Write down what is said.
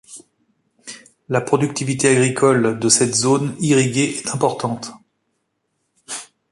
La productivité agricole de cette zone irriguée est importante.